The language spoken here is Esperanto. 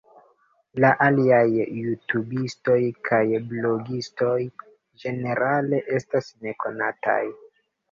La aliaj jutubistoj kaj blogistoj ĝenerale estas nekonataj.